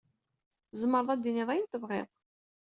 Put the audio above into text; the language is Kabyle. Tzemreḍ ad d-tiniḍ ayen tebɣiḍ.